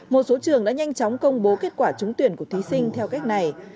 một số trường đã nhanh chóng công bố kết quả trúng tuyển của thí sinh theo cách này